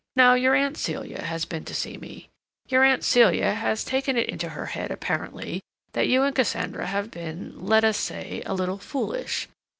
Now, your Aunt Celia has been to see me; your Aunt Celia has taken it into her head apparently that you and Cassandra have been—let us say a little foolish.